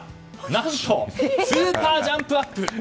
何とスーパージャンプアップ。